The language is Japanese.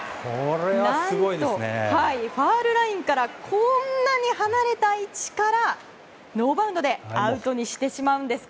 何と、ファウルラインからこんなに離れた位置からノーバウンドでアウトにしてしまうんです。